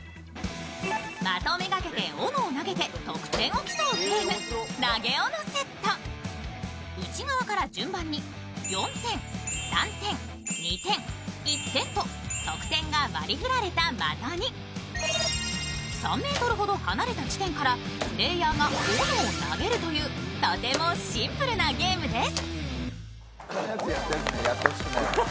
的をめがけて斧をめがけて得点を競うゲーム投げ斧セット内側から順番に４点、３点、２点、１点と得点が割り振られた的に３ｍほど離れた地点からプレーヤーが斧を投げるというとてもシンプルなゲームです。